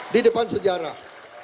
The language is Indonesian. di depan sejarah